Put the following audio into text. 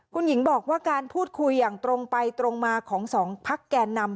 คุณหญิงบอกว่าการพูดคุยอย่างตรงไปตรงมาของสองพักแก่นำ